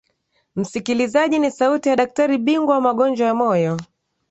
msikilizaji ni sauti ya daktari bingwa wa magonjwa ya moyo